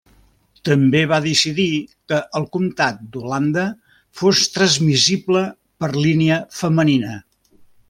També va decidir que el comtat d'Holanda fos transmissible per línia femenina.